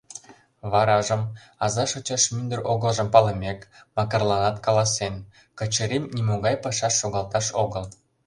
Варажым, аза шочаш мӱндыр огылжым палымек, Макарланат каласен: — Качырим нимогай пашаш шогалташ огыл.